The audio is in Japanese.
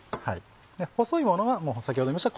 細いものは先ほども言いました